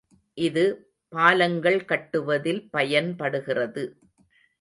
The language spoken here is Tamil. இது பாலங்கள் கட்டுவதில் பயன்படுகிறது.